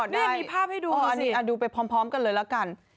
นี่มีภาพให้ดูดูสิดูไปพร้อมกันเลยละกัน